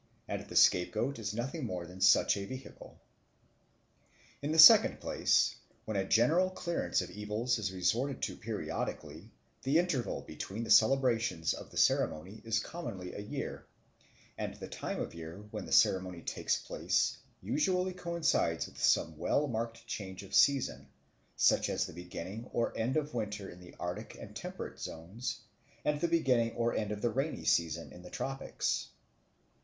And a scapegoat is nothing more than such a vehicle. In the second place, when a general clearance of evils is resorted to periodically, the interval between the celebrations of the ceremony is commonly a year, and the time of year when the ceremony takes place usually coincides with some well marked change of season, such as the beginning or end of winter in the arctic and temperate zones, and the beginning or end of the rainy season in the tropics.